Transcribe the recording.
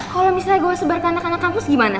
kalo misalnya gue sebarkan ke anak anak kampus gimana